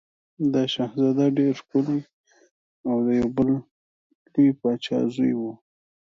دا شهزاده ډېر ښکلی او د یو بل لوی پاچا زوی و.